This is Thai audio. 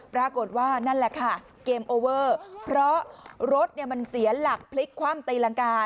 ปรากฏว่านั่นแหละค่ะเกมโอเวอร์เพราะรถมันเสียหลักพลิกคว่ำตีรังกา